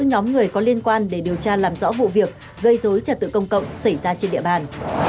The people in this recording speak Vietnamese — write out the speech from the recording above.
bốn nhóm người có liên quan để điều tra làm rõ vụ việc gây dối trật tự công cộng xảy ra trên địa bàn